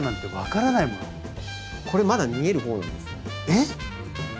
えっ！？